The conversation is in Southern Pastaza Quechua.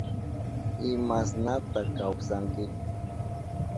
¿Imashnata kawsanki?